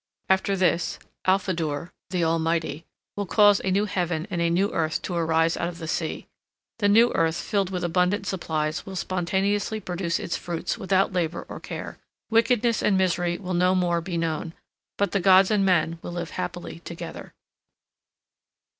After this Alfadur (the Almighty) will cause a new heaven and a new earth to arise out of the sea. The new earth filled with abundant supplies will spontaneously produce its fruits without labor or care. Wickedness and misery will no more be known, but the gods and men will live happily together.